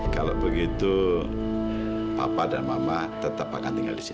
kalau begitu papa dan mama tetap akan tinggal di sini